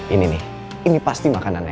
ini nih ini pasti makanannya